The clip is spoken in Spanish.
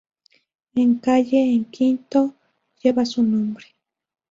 Una calle en Quito lleva su nombre.